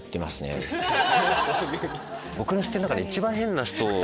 僕の知ってる人の中で一番変な人。